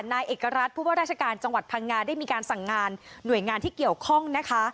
นายเอกรัฐผู้ว่าราชการจังหวัดพังงาได้มีการสั่งงานหน่วยงานที่เกี่ยวข้องนะคะ